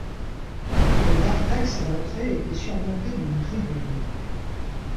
Le narthex à l'entrée était surmonté d'une tribune.